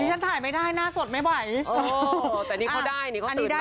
พี่ฉันถ่ายไม่ได้หน้าสดไม่ไหวอ๋อแต่นี่เขาได้นี่เขาตื่นมา